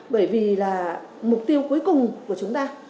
bởi vì là mục tiêu cuối cùng của chúng ta